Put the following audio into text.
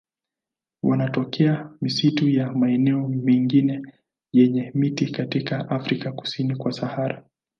Wanatokea misitu na maeneo mengine yenye miti katika Afrika kusini kwa Sahara.